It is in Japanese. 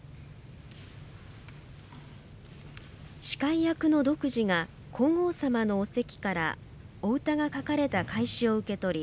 司会役の読師が皇后さまの御卓からお歌が書かれた懐紙を受け取り